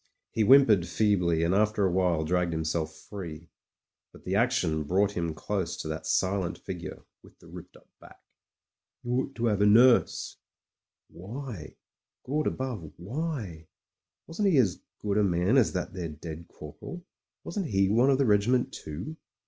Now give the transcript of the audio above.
He whimpered feebly, and after a while dragged himself free. But the action brought him close to that silent figure, with the ripped up back. ... "You ought to 'ave a nurse ..." Why? Gawd above — ^why ? Wasn't he as good a man as that there dead corporal? Wasn't he one of the regiment too?